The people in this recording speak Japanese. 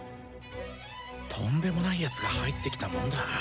とんでもない奴が入ってきたもんだ。